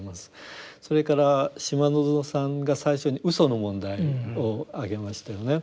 それから島薗さんが最初に嘘の問題を挙げましたよね。